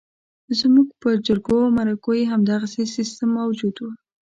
زموږ پر جرګو او مرکو کې همدغه سیستم موجود وو.